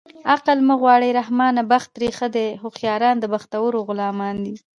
عقل مه غواړه رحمانه بخت ترې ښه دی هوښیاران د بختورو غلامان دي